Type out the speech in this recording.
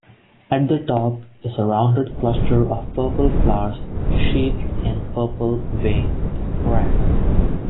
At the top is a rounded cluster of purple flowers sheathed in purple-veined bracts.